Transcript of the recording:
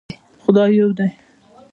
خدای يو دی